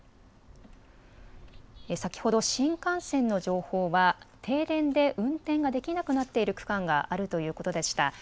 先ほど新幹線の情報は停電で運転ができなくなっている区間があるということでした。